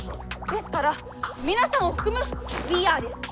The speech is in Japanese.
ですから皆さんを含む「ウィーアー」です。